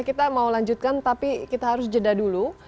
kita mau lanjutkan tapi kita harus jeda dulu